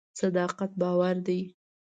صداقت باور دی.